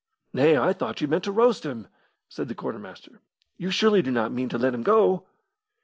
"Nay, I thought you meant to roast him!" said the quartermaster. "You surely do not mean to let him go?"